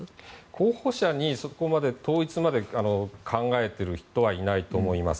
候補者に統一まで考えている人はいないと思います。